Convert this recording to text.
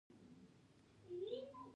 د امنيت شعبې ته يې اشاره وکړه.